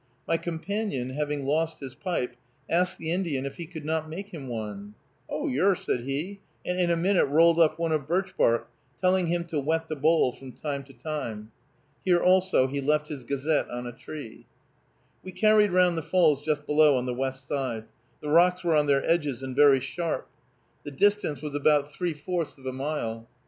My companion, having lost his pipe, asked the Indian if he could not make him one. "Oh, yer," said he, and in a minute rolled up one of birch bark, telling him to wet the bowl from time to time. Here also he left his gazette on a tree. We carried round the falls just below, on the west side. The rocks were on their edges, and very sharp. The distance was about three fourths of a mile.